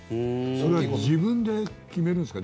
それは自分で決めるんですか？